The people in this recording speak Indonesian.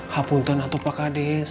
ha punten atau pak kandes